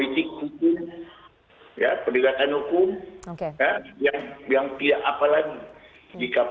sebelum dia menyatakan tadi